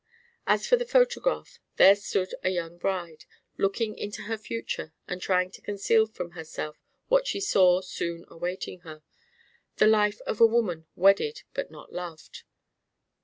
As for the photograph, there stood a young bride, looking into her future and trying to conceal from herself what she saw soon awaiting her: the life of a woman wedded but not loved.